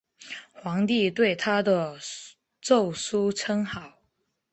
皇帝对他的奏疏称好。